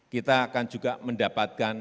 kita akan juga mendapatkan